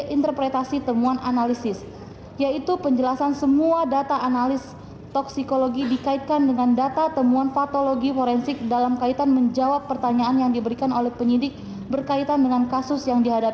interpretasi temuan analisis yaitu penjelasan semua data analis toksikologi dikaitkan dengan data temuan patologi forensik dalam kaitan menjawab pertanyaan yang diberikan oleh penyidik berkaitan dengan kasus yang dihadapi